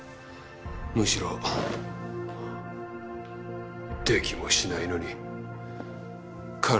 むしろできもしないのに体を張る？